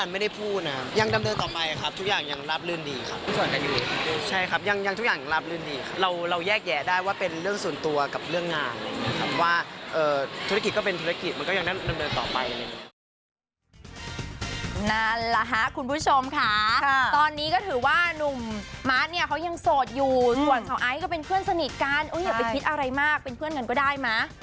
ไม่ได้ว่าเป็นเรื่องส่วนตัวกับเรื่องงานแต่ว่าธุรกิจก็เป็นธุรกิจมันก็ยังได้นั่งเดินต่อไป